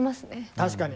確かに。